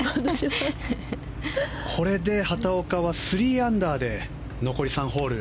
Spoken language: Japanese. これで畑岡は３アンダーで残り３ホール。